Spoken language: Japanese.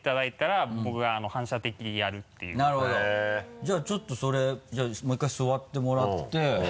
じゃあちょっとそれもう１回座ってもらって。